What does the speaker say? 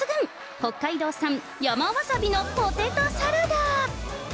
北海道産山わさびのポテトサラダ。